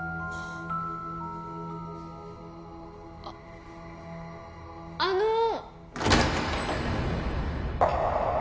あっあの。